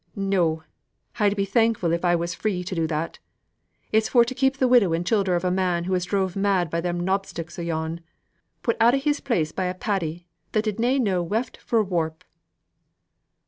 "No! I'd be thankful if I was free to do that; it's for to keep th' widow and childer of a man who was drove mad by them knobsticks o' yourn; put out of his place by a Paddy that did na know weft fro' warp."